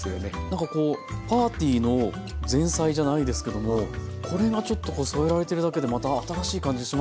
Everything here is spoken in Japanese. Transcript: なんかこうパーティーの前菜じゃないですけどもこれがちょっとこう添えられてるだけでまた新しい感じしますね。